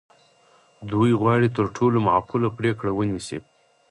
دوی غواړي تر ټولو معقوله پرېکړه ونیسي.